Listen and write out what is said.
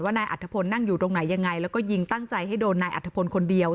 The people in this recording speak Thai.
นายอัธพลนั่งอยู่ตรงไหนยังไงแล้วก็ยิงตั้งใจให้โดนนายอัฐพลคนเดียว